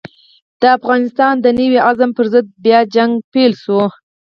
د افغانستان د نوي عزم پر ضد بيا جګړه پيل شوه.